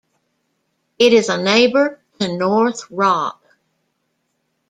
It is a neighbour to North Rock.